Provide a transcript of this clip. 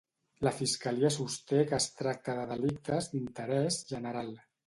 La fiscalia sosté que es tracta de delictes d'interès general.